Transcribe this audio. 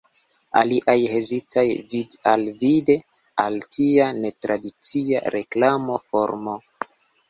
Aliaj hezitas vid-al-vide al tia netradicia reklamo-formo.